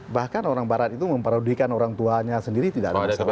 bahkan orang barat itu memparodikan orang tuanya sendiri tidak ada masalah